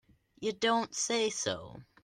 You don't say so!